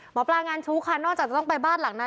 หมอปลางานชู้ค่ะนอกจากจะต้องไปบ้านหลังนั้น